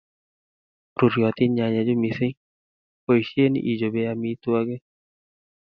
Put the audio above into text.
Ruryotin nyanyechu missing', poisyen ichopee amitwogik.